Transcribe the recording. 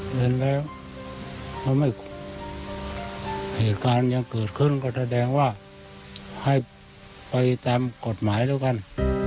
เงินแล้วเหตุการณ์ยังเกิดขึ้นก็แสดงว่าให้ไปตามกฎหมายแล้วกัน